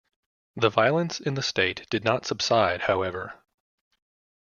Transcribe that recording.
The violence in the state did not subside, however.